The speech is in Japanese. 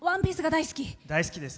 大好きです。